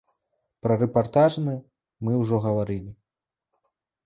Пра рэпартажны мы ўжо гаварылі.